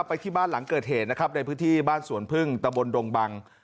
ไปที่บ้านหลังเกิดเหตุนะครับในพื้นที่บ้านสวนพึ่งตะบนดงบัง